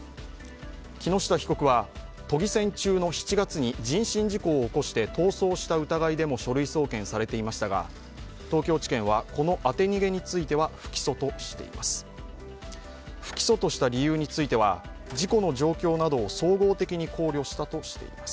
木下被告は都議選中の７月に人身事故を起こして逃走した疑いでも書類送検されていましたが、東京地検はこの当て逃げについては不起訴としています。